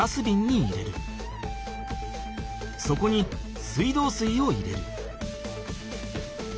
そこに水道水を入れる。